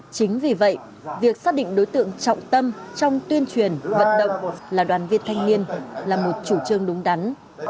chính vì vậy việc xác định đối tượng trọng tâm trong tuyên truyền vận động là đoàn viên thanh niên là một chủ trương đúng đắn